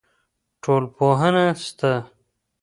ټولنپوهنه سته.